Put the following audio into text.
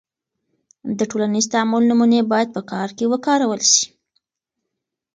د ټولنیز تعامل نمونې باید په کار کې وکارول سي.